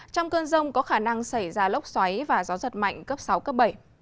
trong cơn rông có khả năng xảy ra lốc xoáy và gió giật mạnh cấp sáu cấp bảy